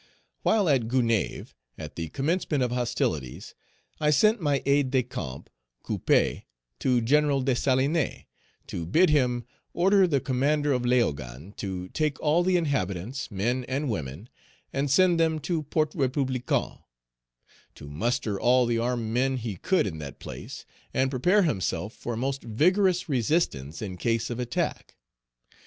While at Gonaïves (at the commencement of hostilities), I sent my aide de camp, Couppé, to Gen. Dessalines, to bid him order the commander of Léogane to take all the inhabitants, men and women, and send them to Port Républicain; to muster all the armed men he could in that place, and prepare himself for a most vigorous resistance in case of attack.